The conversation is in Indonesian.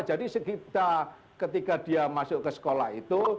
jadi ketika dia masuk ke sekolah itu